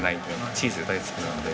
チーズが大好きなんで。